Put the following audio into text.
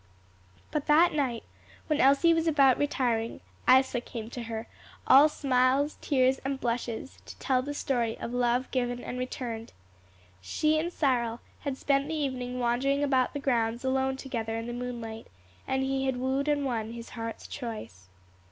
But that night, when Elsie was about retiring, Isa came to her, all smiles, tears and blushes, to tell the story of love given and returned. She and Cyril had spent the evening wandering about the grounds alone together in the moonlight, and he had wooed and won his heart's choice.